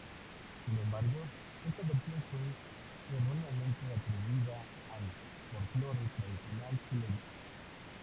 Sin embargo, esta versión fue erróneamente atribuida al folklore tradicional chileno.